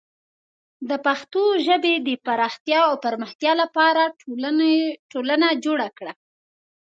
د پښتو ژبې د پراختیا او پرمختیا لپاره ټولنه جوړه کړه.